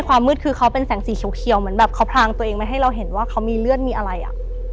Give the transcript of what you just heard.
ความมืดคือเขาเป็นแสงสีเขียวเหมือนแบบเขาพรางตัวเองไว้ให้เราเห็นว่าเขามีเลือดมีอะไรอ่ะ